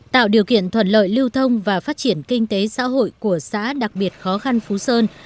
tạo điều kiện thuận lợi lưu thông và phát triển kinh tế xã hội của xã đặc biệt khó khăn phú sơn